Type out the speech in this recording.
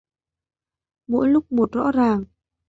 Mỗi lúc một rõ ràng